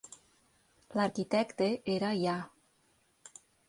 L'arquitecte era Ya.